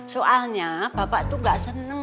soalnya bapak tuh gak seneng